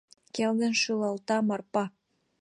— Келгын шӱлалта Марпа.